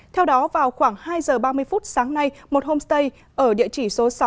theo đó vào khoảng hai giờ ba mươi phút sáng nay một homestay ở địa chỉ số sáu